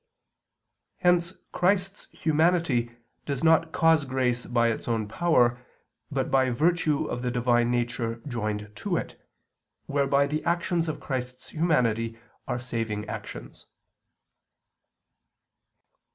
Hence Christ's humanity does not cause grace by its own power, but by virtue of the Divine Nature joined to it, whereby the actions of Christ's humanity are saving actions.